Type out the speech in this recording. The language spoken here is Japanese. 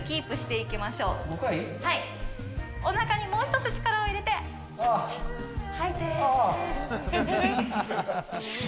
おなかにもう一つ力を入れて、吐いて。